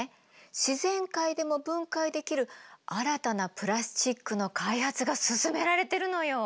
自然界でも分解できる新たなプラスチックの開発が進められてるのよ！